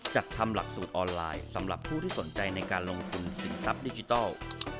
จัดทำหลักสูตรออนไลน์สำหรับผู้ที่สนใจในการลงทุนสินทรัพย์ดิจิทัล